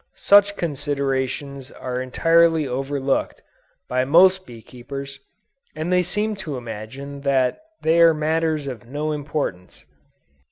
Such considerations are entirely overlooked, by most bee keepers, and they seem to imagine that they are matters of no importance.